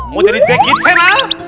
mau jadi jackie chan ah